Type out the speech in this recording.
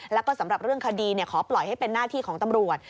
แล้วก็สำหรับเรื่องคดีขอปล่อยให้เป็นหน้าที่ของตำรวจ